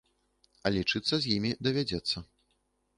А лічыцца з імі давядзецца.